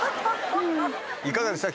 いかがでした？